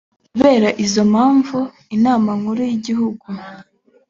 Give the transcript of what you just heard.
kubera izo mpamvu inama nkuru y igihugu